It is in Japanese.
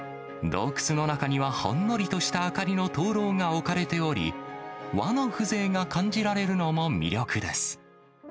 洞窟の中にはほんのりとした明かりの灯籠が置かれており、和の風情が感じられるのも魅力です。